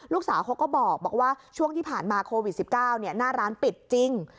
เขาก็บอกว่าช่วงที่ผ่านมาโควิด๑๙หน้าร้านปิดจริง